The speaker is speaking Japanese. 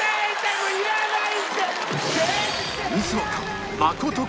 もういらないって！